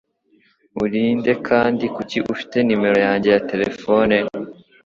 Uri nde kandi kuki ufite numero yanjye ya terefone?